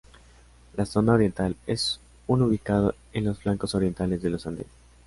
La zona oriental es un ubicado en los flancos orientales de los Andes.